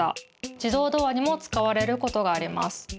じどうドアにもつかわれることがあります。